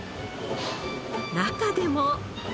中でも。